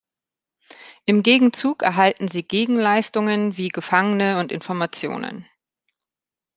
Im Gegenzug erhalten sie Gegenleistungen wie Gefangene und Informationen.